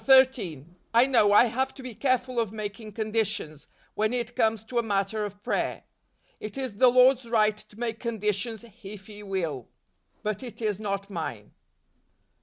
13. I know, I have to be careful of mak¬ ing conditions, when it comes to a matter of prayer. It is the Lord's right to make conditions if He will; but it is not mine.